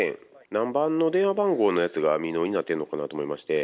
何番の電話番号のやつが未納になってるのかなと思いまして。